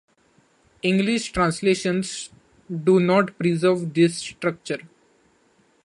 English translations do not preserve this structure.